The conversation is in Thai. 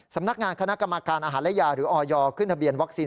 สำนักงานคณะกรรมการอาหารและยาหรือออยขึ้นทะเบียนวัคซีน